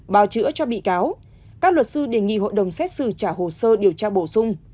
bào chữa cho bị cáo các luật sư đề nghị hội đồng xét xử trả hồ sơ điều tra bổ sung